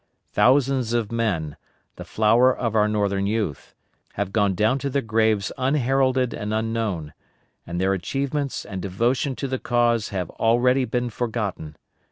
Thousands of men the flower of our Northern youth have gone down to their graves unheralded and unknown, and their achievements and devotion to the cause have already been forgotten.